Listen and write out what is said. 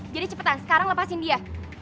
jadi cepetan sekarang lepasin dia